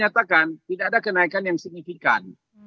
menyatakan tidak ada kenaikan yang signifikan